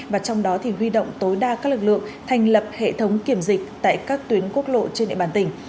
và trong đó thì huy động tối đa các lực lượng thành lập hệ thống kiểm dịch tại các tuyến quốc lộ trên địa bàn tỉnh